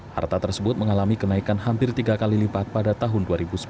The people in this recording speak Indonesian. harta tersebut mengalami kenaikan hampir tiga kali lipat pada tahun dua ribu sepuluh